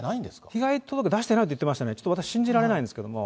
被害届出してないと言ってましたね、ちょっと、私信じられないんですけれども。